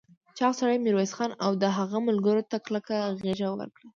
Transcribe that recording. چاغ سړي ميرويس خان او د هغه ملګرو ته کلکه غېږ ورکړه.